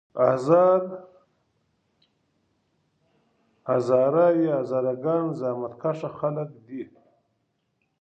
هزاره یا هزاره ګان زحمت کښه خلک دي.